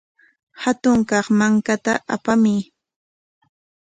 Hatun kaq mankata apamuy.